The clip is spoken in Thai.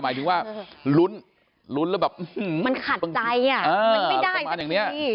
หมายถึงว่ารุ้นรุ้นแล้วแบบมันขาดใจอ่ะมันไม่ได้สักที